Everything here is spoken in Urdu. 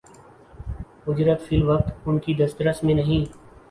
اجرت فی الوقت ان کی دسترس میں نہیں